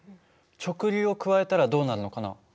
直流を加えたらどうなるのかな？